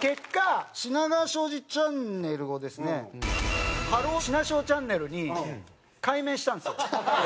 結果品川庄司チャンネルをですね「ハロー！品庄チャンネル」に改名したんですよ。